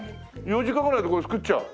４時間ぐらいでこれ作っちゃう？